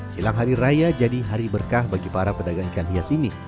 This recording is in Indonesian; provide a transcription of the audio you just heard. hilang hari raya jadi hari berkah bagi para pedagang ikan hias ini